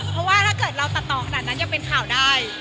เพราะว่าถ้าเกิดเราตัดต่อขนาดนั้นยังเป็นข่าวได้